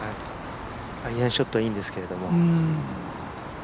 アイアンショットはいいんですけど。